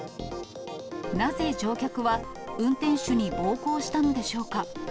なぜ乗客は、運転手に暴行したのでしょうか。